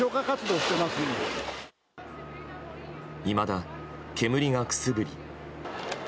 いまだ、煙がくすぶり。